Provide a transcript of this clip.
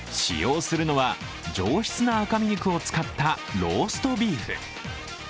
使用するのは上質な赤身肉を使ったローストビーフ。